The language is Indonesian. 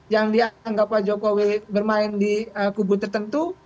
yang dianggap pak jokowi bermain di kubu tertentu